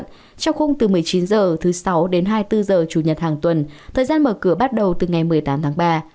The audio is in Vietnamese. trong khung từ một mươi chín h thứ sáu đến hai mươi bốn h chủ nhật hàng tuần thời gian mở cửa bắt đầu từ ngày một mươi tám tháng ba